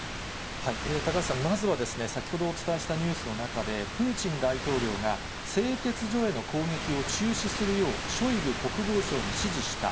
高橋さん、まずは、先ほどお伝えしたニュースの中で、プーチン大統領が、製鉄所への攻撃を中止するようショイグ国防相に指示した。